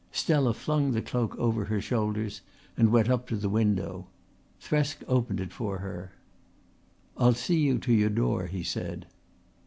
Stella flung the cloak over her shoulders and went up to the window. Thresk opened it for her. "I'll see you to your door," he said.